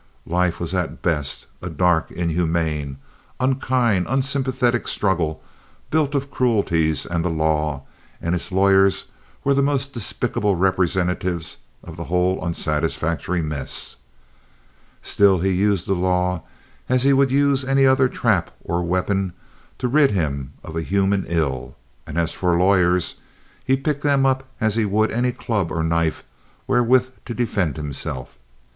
Life was at best a dark, inhuman, unkind, unsympathetic struggle built of cruelties and the law, and its lawyers were the most despicable representatives of the whole unsatisfactory mess. Still he used law as he would use any other trap or weapon to rid him of a human ill; and as for lawyers, he picked them up as he would any club or knife wherewith to defend himself.